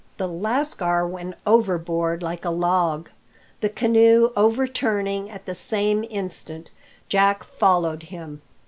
The lascar went overboard like a log. The canoe overturning at the same instant, Jack followed him.